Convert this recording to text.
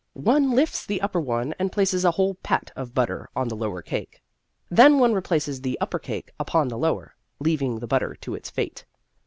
One lifts the upper one and places a whole pat of butter on the lower cake. Then one replaces the upper cake upon the lower, leaving the butter to its fate.